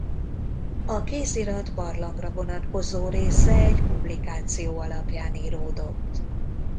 A kézirat barlangra vonatkozó része egy publikáció alapján íródott.